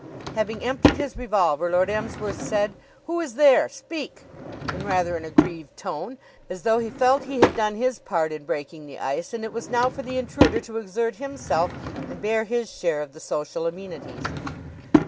Having emptied his revolver, Lord Emsworth said, "Who is there? Speak!" in rather an aggrieved tone, as though he felt he had done his part in breaking the ice, and it was now for the intruder to exert himself and bear his share of the social amenities.